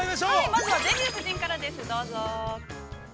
◆まずは「デビュー夫人」からです、どうぞ。